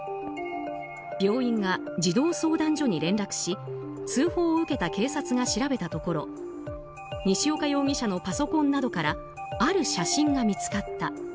病院が児童相談所に連絡し通報を受けた警察が調べたところ西岡容疑者のパソコンなどからある写真が見つかった。